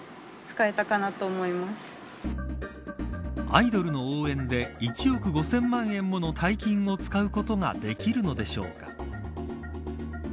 アイドルの応援で１億５０００万円もの大金を使うことができるのでしょうか。